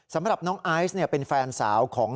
สำหรับน้องไอซ์เป็นแฟนสาวของ